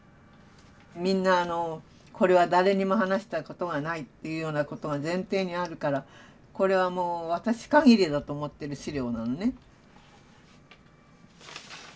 みんなこれは誰にも話したことがないというようなことが前提にあるからこれはもう私限りだと思ってる資料なのね。